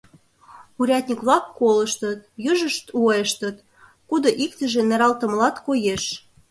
Урядник-влак колыштыт, южышт уэштыт, кудо иктыже нералтымылат коеш.